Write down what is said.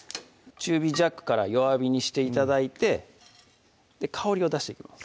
中火弱から弱火にして頂いて香りを出していきます